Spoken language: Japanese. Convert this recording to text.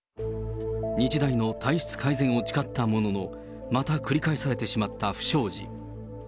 日大の体質改善を誓ったものの、また繰り返されてしまった不祥事。